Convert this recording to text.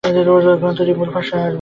গ্রন্থটির মূল ভাষা আরবি।